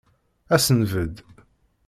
Ad s-nbedd.